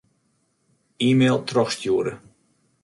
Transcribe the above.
E-mail trochstjoere.